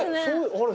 あれ？